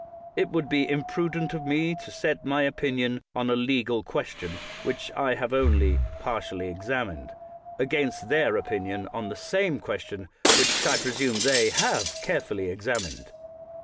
It would be imprudent in me to set my opinion on a legal question which I have only partially examined, 255 THE WORLD'S FAMOUS ORATIONS against their opinion on the same question, which I presume they have carefully examined.